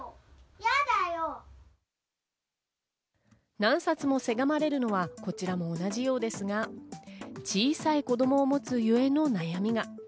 何冊もせがまれるのはこちらも同じようですが、小さい子供を持つゆえの悩みが。